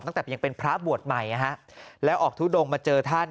ตั้งแต่ยังเป็นพระบวชใหม่นะฮะแล้วออกทุดงมาเจอท่าน